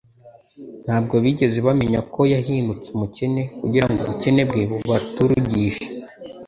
Ntabwo bigeze bamenya ko yahindutse "Umukene" kugira ngo ubukene bwe bubaturugishe'".